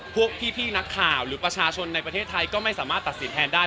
พวกพี่นักข่าวหรือประชาชนในประเทศไทยก็ไม่สามารถตัดสินแทนได้